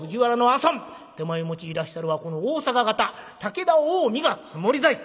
手前持ちいだしたるはこの大阪方竹田近江がつもり細工。